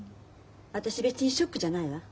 私別にショックじゃないわ。